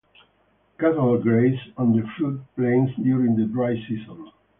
Cattle graze on the floodplains during the dry season.